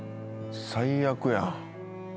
最悪やん。